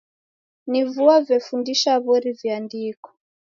Na vuo vefundisha w'ori viandiko.